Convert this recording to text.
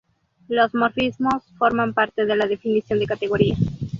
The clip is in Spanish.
Los morfismos forman parte de la definición de categoría.